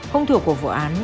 không thuộc của vụ án